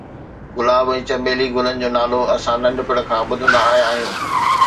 گلاب ۽ چنبيلي گلن جو نالو اسان ننڍپڻ کان ٻڌندا آيا آهيون